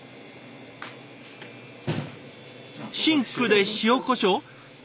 シンクで塩こしょうえ？